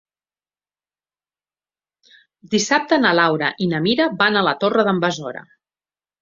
Dissabte na Laura i na Mira van a la Torre d'en Besora.